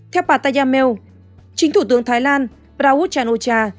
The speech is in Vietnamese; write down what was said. theo patayamel chính thủ tướng thái lan prauch chan o cha